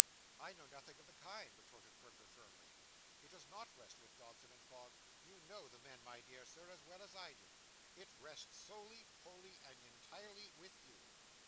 'I know nothing of the kind,' retorted Perker firmly. 'It does _not _rest with Dodson and Fogg; you know the men, my dear Sir, as well as I do. It rests solely, wholly, and entirely with you.